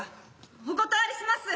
お断りします。